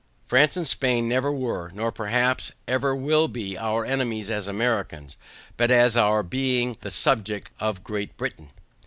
France and Spain never were, nor perhaps ever will be our enemies as AMERICANS, but as our being the SUBJECTS OF GREAT BRITAIN.